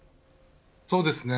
そうですね。